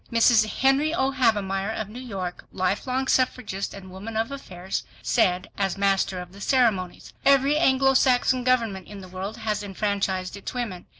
Mrs. Henry O. Havemeyer of New York, life long suffragist and woman of affairs, said as master of the ceremonies, "Every Anglo Saxon government in the world has enfranchised its women.